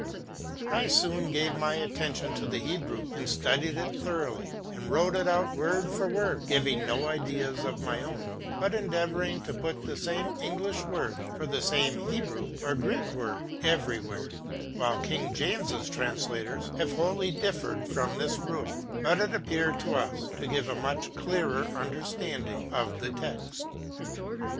I soon gave my attention to the Hebrew, and studied it thoroughly, and wrote it out word for word, giving no ideas of my own, but endeavoring to put the same English word for the same Hebrew or Greek word, everywhere, while King James's translators have wholly differed from this rule; but it appeared to us to give a much clearer under standing of the text.